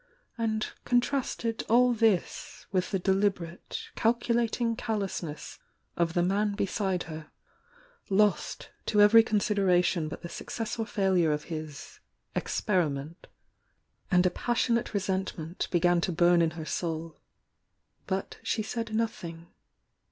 — and contrasted all this with the deliberate, calculating callousness of the man beside her, lost to every consideration but the success or failure of his "experiment," — and a passionate resentment began to bum in her soul. But she said nothing.